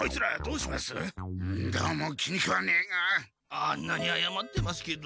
あんなにあやまってますけど。